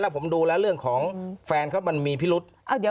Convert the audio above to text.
ผมดูแล้วเรื่องของแฟนเขามันมีพิรุษ